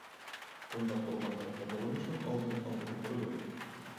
بۇنداق بولغاندا ياللۇغلىنىشنىڭ ئالدىنى ئالغىلى بولىدۇ.